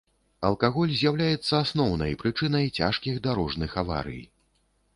Алкаголь з'яўляецца асноўнай прычынай цяжкіх дарожных аварый.